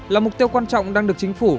là mục tiêu quan trọng đang được chính phủ